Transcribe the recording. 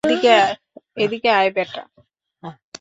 এদিকে আয়, ব্যাটা।